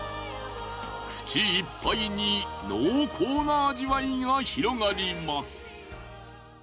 口いっぱいに濃厚な味わいが広がります。